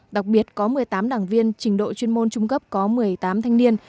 đặc biệt có một mươi tám đảng viên trình độ chuyên môn trung cấp có một mươi tám thanh niên